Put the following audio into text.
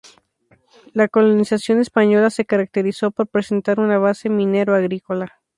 La colonización española se caracterizó por presentar una base minero-agrícola.